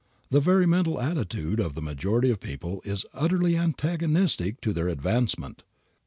The very mental attitude of the majority of people is utterly antagonistic to their advancement.